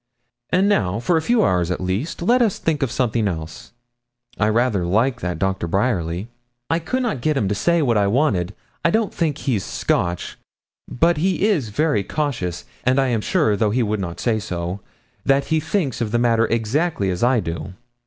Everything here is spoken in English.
And now, for a few hours at least, let us think of something else. I rather like that Doctor Bryerly. I could not get him to say what I wanted. I don't think he's Scotch, but he is very cautious, and I am sure, though he would not say so, that he thinks of the matter exactly as I do.